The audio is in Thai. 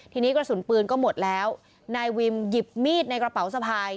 ทีนี้กระสุนปืนก็หมดแล้วนายวิมหยิบมีดในกระเป๋าสะพาย